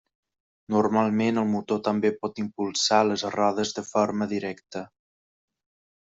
Normalment, el motor també pot impulsar les rodes de forma directa.